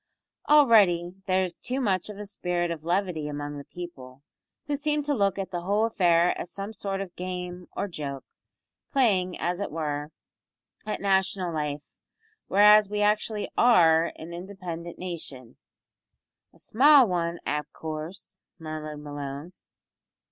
Already there is too much of a spirit of levity among the people, who seem to look at the whole affair as a sort of game or joke, playing, as it were, at national life, whereas we actually are an independent nation " "A small wan, av coorse," murmured Malone.